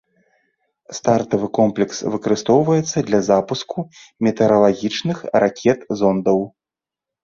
Стартавы комплекс выкарыстоўваецца для запуску метэаралагічных ракет-зондаў.